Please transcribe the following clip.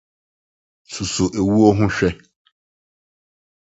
Susuw owu ho hwɛ.